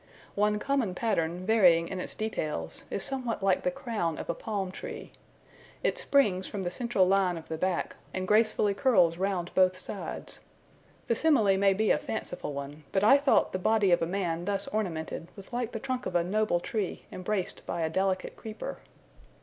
One common pattern, varying in its details, is somewhat like the crown of a palm tree. It springs from the central line of the back, and gracefully curls round both sides. The simile may be a fanciful one, but I thought the body of a man thus ornamented was like the trunk of a noble tree embraced by a delicate creeper.